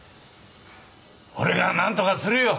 俺がなんとかするよ。